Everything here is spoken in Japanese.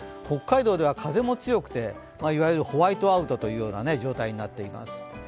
北海道では風も強くていわゆるホワイトアウトという状態になっています。